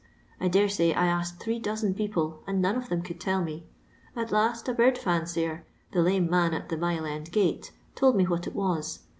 I daresay I asked three; dozen people, and none of them could tell me. At last a bird fencier, the lame man at the Mile end gate, told me what it was.